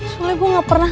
soalnya gue gak pernah